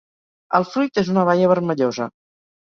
El fruit és una baia vermellosa.